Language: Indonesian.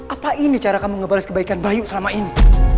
apa ini cara kamu ngebalas kebaikan bayu selama ini